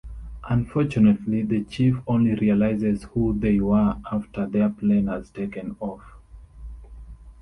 Unfortunately the chief only realizes who they were after their plane has taken off.